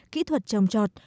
kỹ thuật trồng trọt